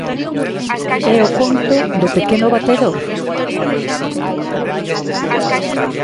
E O conto do pequeno batedor?